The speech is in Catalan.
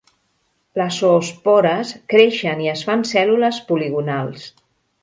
Les zoòspores creixen i es fan cèl·lules poligonals.